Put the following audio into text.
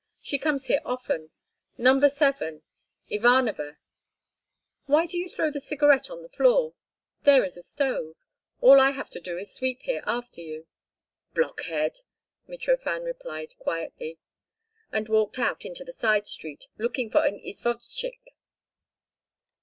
She comes here often. No. 7, Ivanova. Why do you throw the cigarette on the floor? There is a stove. All I have to do is to sweep here after you." "Blockhead!" Mitrofan replied quietly, and walked out into the side street, looking for an izvozchik.